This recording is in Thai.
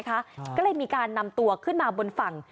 ก็เลยมีการนำตัวขึ้นมาบนฝั่ง